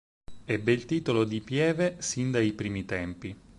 Ebbe il titolo di pieve sin dai primi tempi.